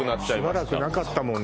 しばらくなかったもんね